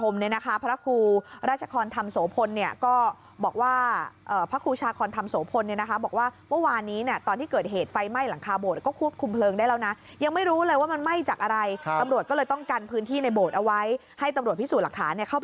มันเลยปฏุขึ้นมาอีกครั้งตี๕นี้ค่ะ